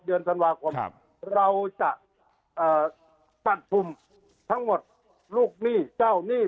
เดือนธรรมาคมครับเราจะเอ่อตัดทุ่มทั้งหมดลูกหนี้เจ้านี่